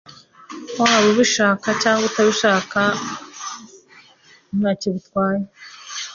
Waba ubishaka cyangwa utabishaka ntacyo bitwaye.